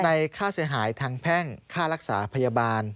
ค่าเสียหายทางแพ่งค่ารักษาพยาบาล